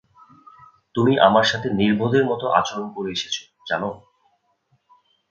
তুমি আমার সাথে নির্বোধের মত আচরণ করে এসেছো, জানো?